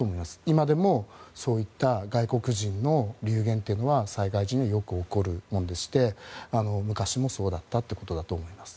今でも、そういった外国人の流言というのは災害時によく起こるものでして昔もそうだったということだと思います。